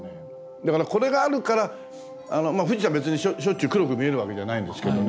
だからこれがあるから富士山別にしょっちゅう黒く見えるわけじゃないんですけどね。